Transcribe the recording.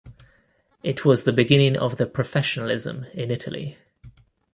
It was the beginning of the professionalism in Italy.